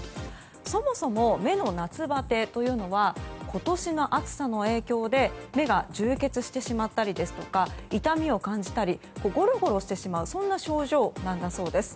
そもそも目の夏バテというのは今年の暑さの影響で目が充血してしまったりですとか痛みを感じたりゴロゴロしてしまう症状なんだそうです。